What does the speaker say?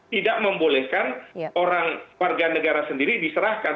tidak membolehkan orang warga negara sendiri diserahkan